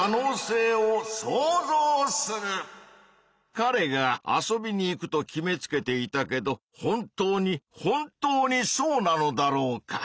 かれが遊びに行くと決めつけていたけど本当に本当にそうなのだろうか？